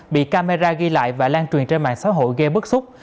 bị camera ghi lại và lan truyền trên mạng xã hội gây bức xúc